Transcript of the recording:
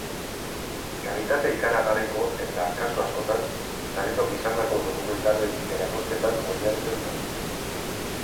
Kalitate ikaragarriko eta, kasu askotan, sarituak izandako dokumentalen erakusketan oinarritzen da.